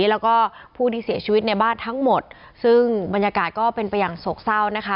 แล้วก็ผู้ที่เสียชีวิตในบ้านทั้งหมดซึ่งบรรยากาศก็เป็นไปอย่างโศกเศร้านะคะ